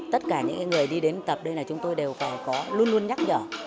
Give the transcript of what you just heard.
tất cả những người đi đến tập đây là chúng tôi đều phải có luôn luôn nhắc nhở